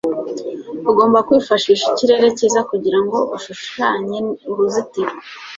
ugomba kwifashisha ikirere cyiza kugirango ushushanye uruzitiro